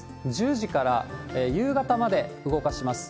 １０時から夕方まで動かします。